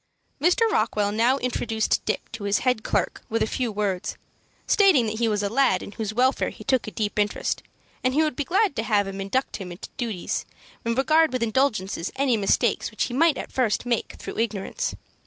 Mr. Rockwell now introduced Dick to his head clerk with a few words, stating that he was a lad in whose welfare he took a deep interest, and he would be glad to have him induct him into his duties, and regard with indulgence any mistakes which he might at first make through ignorance.